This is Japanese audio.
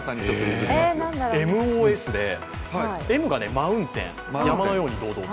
ＭＯＳでＭがマウンテン山のように堂々と。